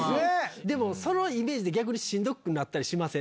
でもそのイメージで逆にしんどくなったりしません？